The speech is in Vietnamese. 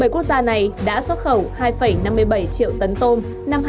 bảy quốc gia này đã xuất khẩu hai năm mươi bảy triệu tấn tôm năm hai nghìn hai mươi